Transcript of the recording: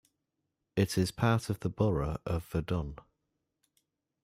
It is part of the borough of Verdun.